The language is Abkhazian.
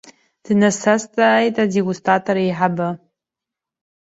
Днасазҵааит адегустатор еиҳабы.